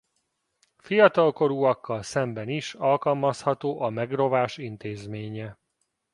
Fiatalkorúakkal szemben is alkalmazható a megrovás intézménye.